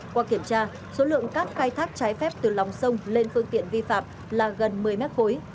qua kiểm tra số lượng cát khai thác trái phép từ lòng sông lên phương tiện vi phạm là gần một mươi mét khối